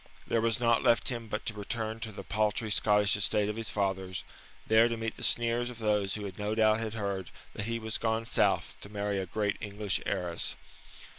There was naught left him but to return him to the paltry Scottish estate of his fathers, there to meet the sneers of those who no doubt had heard that he was gone South to marry a great English heiress.